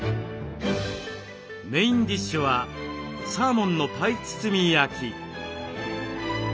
メインディッシュはサーモンのパイ包み焼き。